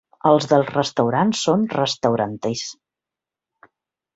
Els dels restaurants són restauranters”.